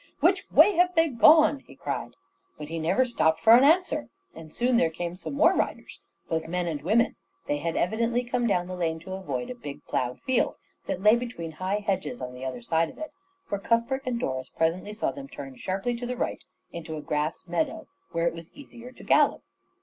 "Which way have they gone?" he cried, but he never stopped for an answer, and soon there came some more riders, both men and women. They had evidently come down the lane to avoid a big ploughed field that lay between high hedges on the other side of it, for Cuthbert and Doris presently saw them turn sharply to the right into a grass meadow where it was easier to gallop.